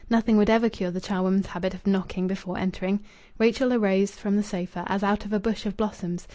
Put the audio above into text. Nothing would ever cure the charwoman's habit of knocking before entering. Rachel arose from the sofa as out of a bush of blossoms.